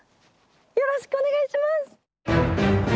よろしくお願いします！